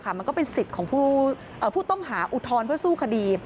มันก็เป็นสิทธิ์ของผู้ต้องหาอุทธรณ์เพื่อสู้คดี